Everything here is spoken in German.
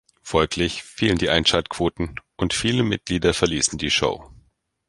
Folglich fielen die Einschaltquoten und viele Mitglieder verließen die Show.